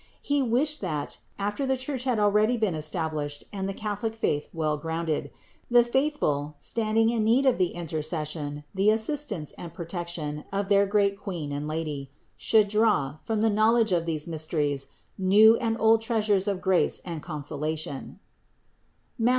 He wished that, after the Church had been al ready established and the Catholic faith well grounded, the faithful, standing in need of the intercession, the as sistance and protection of their great Queen and Lady, should draw, from the knowledge of these mysteries, new and old treasures of grace and consolation (Matth.